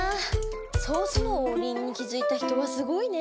ソースのオウリンに気づいた人はすごいね！